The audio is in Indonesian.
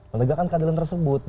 menegakkan keadilan tersebut